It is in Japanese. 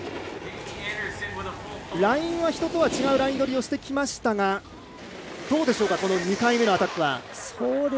ラインは、人とは違うライン取りをしてきましたがどうでしょうか２回目のアタックは。